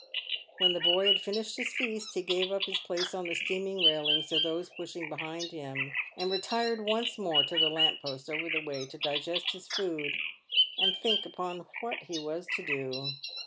When the boy had finished his feast, he gave up his place on the steaming railings to those pushing behind him, and retired once more to the lamp post over the way to digest his food and think upon what he was to do.